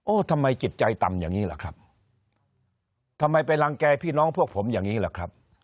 ทำไมจิตใจต่ำอย่างนี้ล่ะครับทำไมไปรังแก่พี่น้องพวกผมอย่างนี้ล่ะครับ